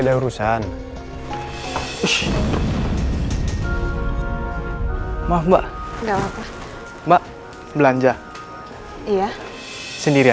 terima kasih ya